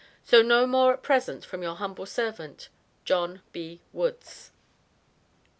So no more at present from your humble servant, JOHN B. WOODS.